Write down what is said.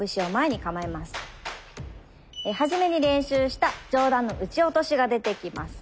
初めに練習した上段の打ち落としが出てきます。